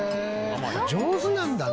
上手なんだな。